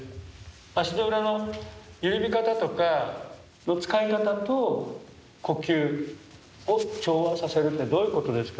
足の裏の緩み方とか使い方と呼吸を調和させるってどういうことですか？